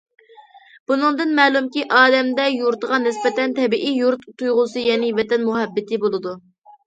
بۇنىڭدىن مەلۇمكى، ئادەمدە يۇرتىغا نىسبەتەن تەبىئىي يۇرت تۇيغۇسى، يەنى ۋەتەن مۇھەببىتى بولىدۇ.